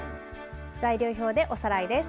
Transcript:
材料表でおさらいです。